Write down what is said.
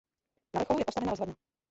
Na vrcholu je postavena rozhledna.